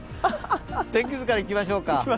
天気図からいきましょうか。